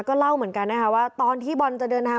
ก็เล่าเหมือนกันนะคะว่าตอนที่บอลจะเดินทาง